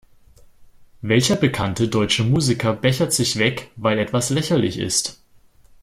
Welcher bekannte deutsche Musiker bechert sich weg, weil etwas lächerlich ist?